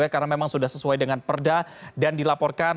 karena memang sudah sesuai dengan perda dan dilaporkan